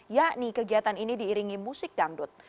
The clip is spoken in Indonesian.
yakni kegiatan ini diiringi musik dangdut